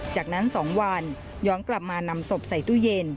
จากนั้น๒วันย้อนกลับมานำศพใส่ตู้เย็น